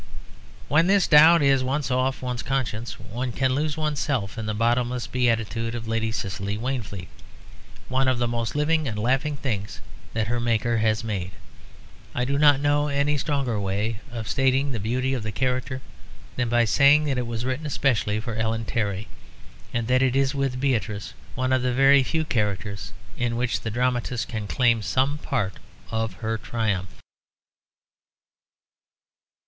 When this doubt is once off one's conscience one can lose oneself in the bottomless beatitude of Lady Cicely Waynefleet, one of the most living and laughing things that her maker has made. I do not know any stronger way of stating the beauty of the character than by saying that it was written specially for Ellen Terry, and that it is, with Beatrice, one of the very few characters in which the dramatist can claim some part of her triumph.